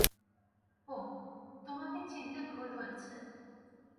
ওহ, তোমাকে চিনতে ভুল হয়েছে।